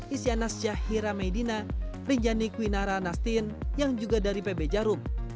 isyanas syahira medina rinjani kwinara nastin yang juga dari pb jarum